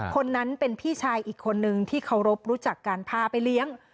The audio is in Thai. คนนั้นเป็นพี่ชายอีกคนนึงที่เคารพรู้จักการพาไปเลี้ยง